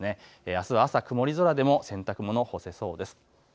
あすは朝、曇り空でも洗濯物干せそうです。